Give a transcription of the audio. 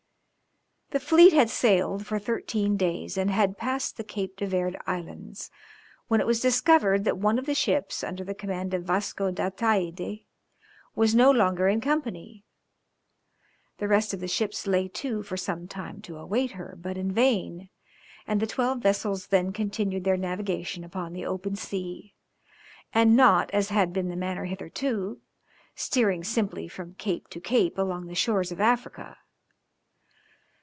The fleet had sailed for thirteen days and had passed the Cape de Verd Islands, when it was discovered that one of the ships, under the command of Vasco d'Ataïde, was no longer in company. The rest of the ships lay to for some time to await her, but in vain, and the twelve vessels then continued their navigation upon the open sea, and not, as had been the manner hitherto, steering simply from cape to cape along the shores of Africa.